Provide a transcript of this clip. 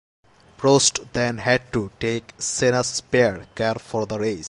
Prost then had to take Senna's spare car for the race.